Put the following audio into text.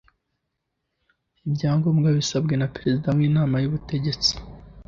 ibyangombwa bisabwe na perezida w’ inama y’ubutegetsi